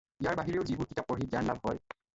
ইয়াৰ বাহিৰেও যিবােৰ কিতাপ পঢ়ি জ্ঞান লাভ হয়।